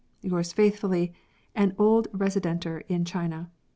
— Yours faithfully, An Old Residenter in China.